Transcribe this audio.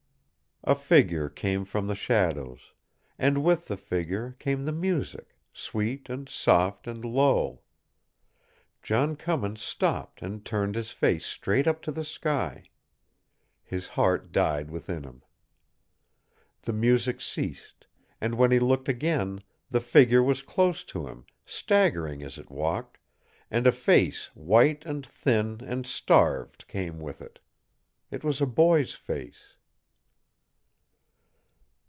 A figure came from the shadows, and with the figure came the music, sweet and soft and low. John Cummins stopped and turned his face straight up to the sky. His heart died within him. The music ceased, and when he looked again the figure was close to him, staggering as it walked, and a face white and thin and starved came with it. It was a boy's face.